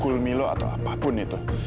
mukul milo atau apapun itu